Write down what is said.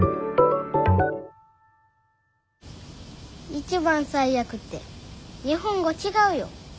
一番最悪って日本語違うよ。